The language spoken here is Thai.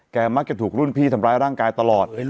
มักจะถูกรุ่นพี่ทำร้ายร่างกายตลอด